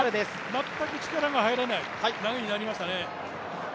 全く力が入らない投げになりましたね。